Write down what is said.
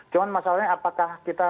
cuman masalahnya apakah kita